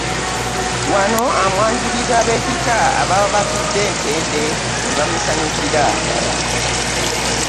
Wano amwanjulira ab'ekika ababa batudde ntende ne bamusanyukira.